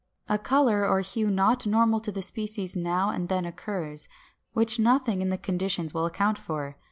A color or hue not normal to the species now and then occurs, which nothing in the conditions will account for.